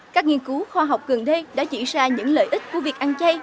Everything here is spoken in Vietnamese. các nghiên cứu khoa học gần đây đã chỉ ra những lợi ích của việc ăn chay